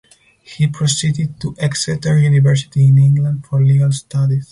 He proceeded to Exeter University in England for legal studies.